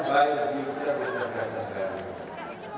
bayi lagi bisa berbeda beda sekali